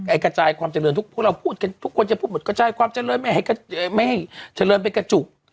กระจายความเจริญทุกพวกเราพูดกันทุกคนจะพูดหมดกระจายความเจริญไม่ให้ไม่ให้เจริญไปกระจุก